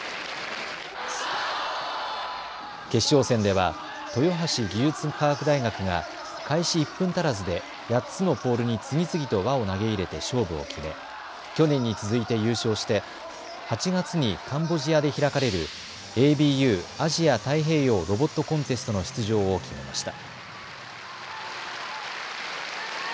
決勝戦では豊橋技術科学大学が開始１分足らずで８つのポールに次々と輪を投げ入れて勝負を決め去年に続いて優勝して８月にカンボジアで開かれるＡＢＵアジア・太平洋ロボットコンテストの出場を決めました。